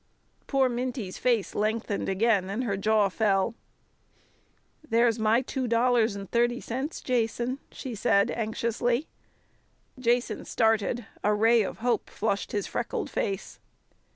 Poor Minty's face lengthened again, and her jaw fell. "There's my two dollars and thirty cents, Jason," she said anxiously. Jason started; a ray of hope flushed his freckled face.